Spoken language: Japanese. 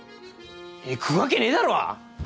行くわけねえだろ！